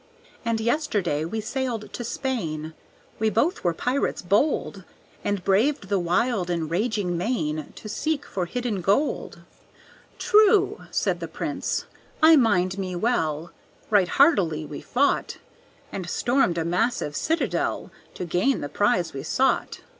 "And yesterday we sailed to Spain We both were pirates bold, And braved the wild and raging main To seek for hidden gold." "True," said the prince; "I mind me well Right hardily we fought, And stormed a massive citadel To gain the prize we sought.